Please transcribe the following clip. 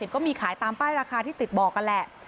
ก็มีขายตามป้ายราคาที่ติดบอกกันแหละ